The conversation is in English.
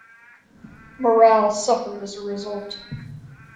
Morale suffered as a result.